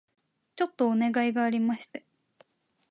ちょっとお願いがありまして